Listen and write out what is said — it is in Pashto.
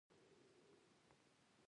زموږ سره یې ولیدل.